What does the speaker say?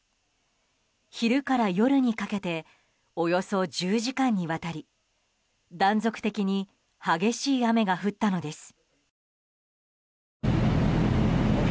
昼から夜にかけておよそ１０時間にわたり断続的に激しい雨が降ったのです。